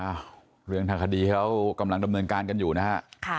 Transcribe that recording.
เรื่องทางคดีเขากำลังดำเนินการกันอยู่นะฮะค่ะ